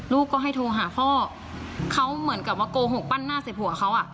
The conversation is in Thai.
ก็ให้โทรหาพ่อเขาเหมือนกับว่าโกหกปั้นหน้าเสียบหัวเขาอ่ะ